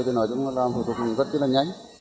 thì nói chung là làm thủ tục rất là nhanh